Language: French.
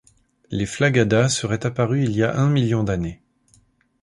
Les Flagadas seraient apparus il y a un million d'années.